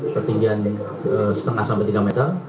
ketinggian setengah sampai tiga meter